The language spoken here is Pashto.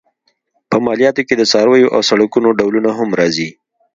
په مالیاتو کې د څارویو او سړکونو ډولونه هم راځي.